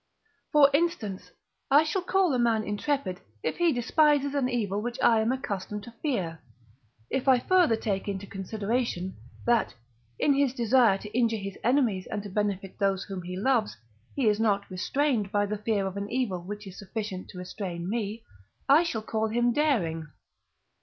For instance, I shall call a man intrepid, if he despises an evil which I am accustomed to fear; if I further take into consideration, that, in his desire to injure his enemies and to benefit those whom he loves, he is not restrained by the fear of an evil which is sufficient to restrain me, I shall call him daring.